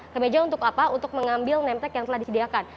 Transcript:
ke meja untuk apa untuk mengambil nemtek yang telah disediakan